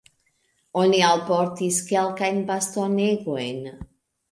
Oni alportis kelkajn bastonegojn.